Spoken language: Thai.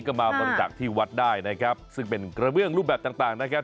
ก็มาบริจาคที่วัดได้นะครับซึ่งเป็นกระเบื้องรูปแบบต่างต่างนะครับ